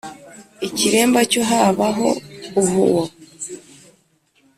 ikiremba cyo haba ho uhwo